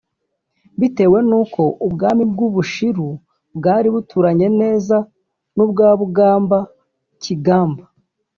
Bitewe n’uko Ubwami bw’u Bushiru bwari buturanye neza n’ubwa Bugamba-Kigamba